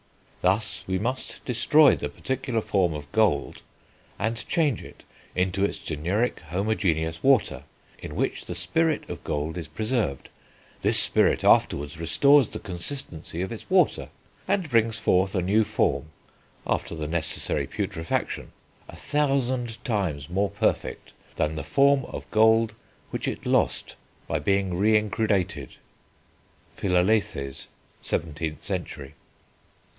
Thus we must destroy the particular form of gold, and change it into its generic homogeneous water, in which the spirit of gold is preserved; this spirit afterwards restores the consistency of its water, and brings forth a new form (after the necessary putrefaction) a thousand times more perfect than the form of gold which it lost by being reincrudated." (Philalethes, 17th century.)